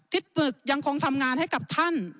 ปรึกยังคงทำงานให้กับท่าน